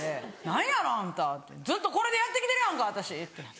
「何やの？あんたずっとこれでやって来てるやんか私」って。